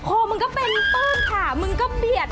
โคมึงก็เป็นต้นขามึงก็เบียด